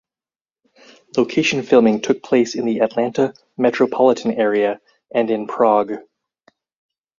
Location filming took place in the Atlanta metropolitan area and in Prague.